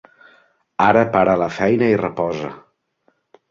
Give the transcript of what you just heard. Ara para la feina i reposa.